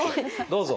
どうぞ。